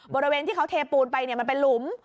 บริเวณที่เขาเทปูนไปมันเป็นหลุม